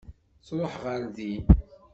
Tṛuḥ ɣer din.